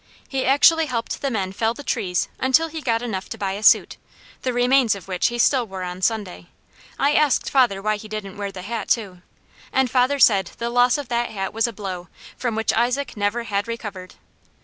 He actually helped the men fell the trees until he got enough to buy a suit, the remains of which he still wore on Sunday. I asked father why he didn't wear the hat too, and father said the loss of that hat was a blow, from which Isaac never had recovered.